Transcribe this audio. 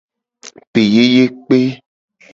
Peyeyekpe.